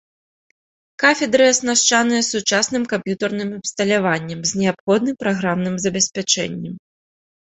Кафедры аснашчаныя сучасным камп'ютарным абсталяваннем з неабходным праграмным забеспячэннем.